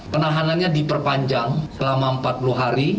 penahanannya diperpanjang selama empat puluh hari